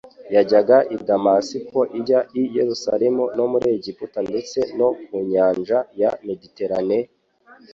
yajyaga i Damasiko ijya i Yerusalemu no muri Egiputa ndetse no ku nyanja ya Mediterane;